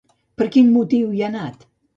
Per quin motiu hi ha anat?